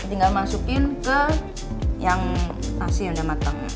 tinggal masukin ke yang nasi yang udah matang